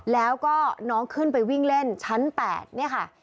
แล้วก็น้องขึ้นไปวิ่งเล่นชั้น๘เนี่ยค่ะ